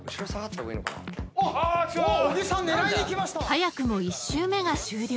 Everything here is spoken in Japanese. ［早くも１周目が終了］